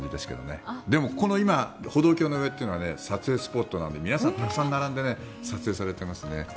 ただ、ここの歩道橋の上というのは撮影スポットなので皆さん、たくさん並んで撮影されていますね。